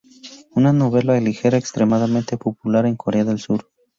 Una novela ligera extremadamente popular en Corea del Sur.